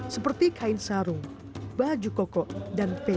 seperti kain sarung baju koko dan peci